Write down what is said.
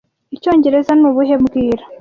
Icyongereza ni ubuhe mbwira